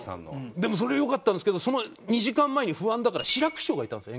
でもそれはよかったんですけどその２時間前に不安だから志らく師匠がいたんですよ